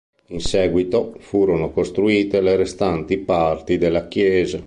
In seguito furono costruite le restanti parti della chiesa.